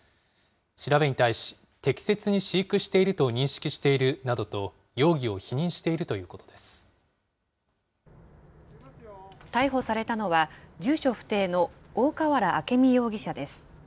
調べに対し、適切に飼育していると認識しているなどと容疑を否認しているとい逮捕されたのは、住所不定の大河原明美容疑者です。